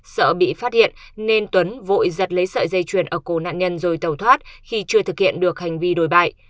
sợ bị phát hiện nên tuấn vội giật lấy sợi dây chuyền ở cổ nạn nhân rồi tàu thoát khi chưa thực hiện được hành vi đồi bại